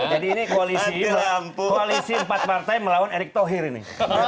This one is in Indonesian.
jadi ini koalisi empat partai melawan erick thohir ini